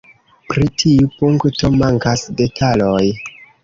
Pri tiu punkto mankas detaloj.